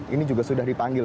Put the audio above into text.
ini juga sudah dipanggil